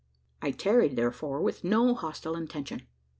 I tarried, therefore, with no hostile intention.